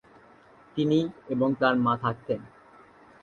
তিনি এবং তাঁর মা থাকতেন।